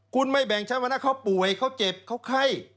คุณไม่แบ่งใช้วันนั้นเขาป่วยเขาเจ็บเขาไข้